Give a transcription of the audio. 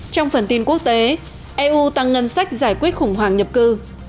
trong phần tin quốc tế eu tăng ngân sách giải quyết khủng hoảng nhập cư